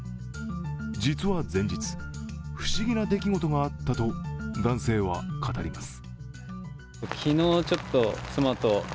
実は前日、不思議な出来事があったと男性は語ります。